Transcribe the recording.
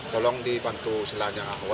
tolong dibantu selanjutnya